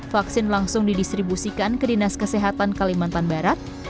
vaksin langsung didistribusikan ke dinas kesehatan kalimantan barat